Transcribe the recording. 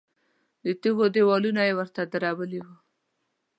د تیږو دیوالونه یې ورته درولي وو.